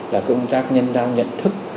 là công tác nhân giao nhận thức